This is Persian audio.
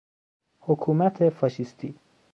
حکومت فاشیستی